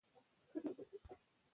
علم د جهالت غبار ختموي.